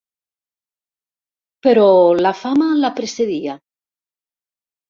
Però la fama la precedia.